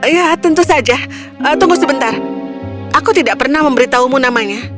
ya tentu saja tunggu sebentar aku tidak pernah memberitahumu namanya